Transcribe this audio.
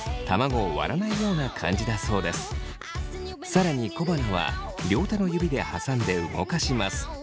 更に小鼻は両手の指で挟んで動かします。